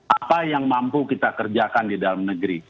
apa yang mampu kita kerjakan di dalam negeri